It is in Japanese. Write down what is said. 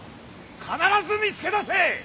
必ず見つけ出せ！